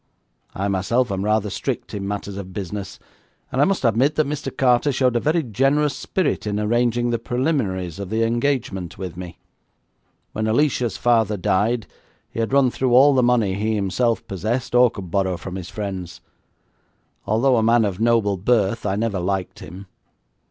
I myself am rather strict in matters of business, and I must admit that Mr. Carter showed a very generous spirit in arranging the preliminaries of the engagement with me. When Alicia's father died he had run through all the money he himself possessed or could borrow from his friends. Although a man of noble birth, I never liked him.